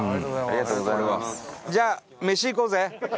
伊達：じゃあ、飯行こうぜ！